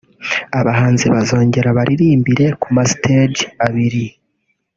Abahanzi bazongera baririmbire ku ma stages abiri